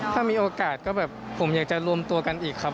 ถ้ามีโอกาสก็แบบผมอยากจะรวมตัวกันอีกครับ